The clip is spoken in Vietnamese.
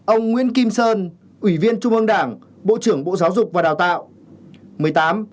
một mươi bảy ông nguyễn kim sơn ủy viên trung ương đảng bộ trưởng bộ giáo dục và đào tạo